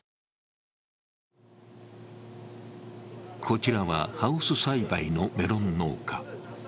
こちらはハウス栽培のメロン農家。